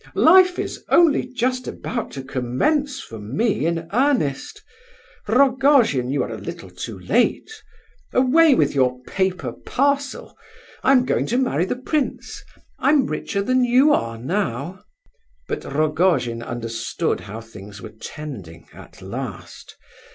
Life is only just about to commence for me in earnest. Rogojin, you are a little too late. Away with your paper parcel! I'm going to marry the prince; I'm richer than you are now." But Rogojin understood how things were tending, at last.